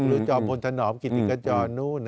จอมพลถนอมกิติกจรนู้น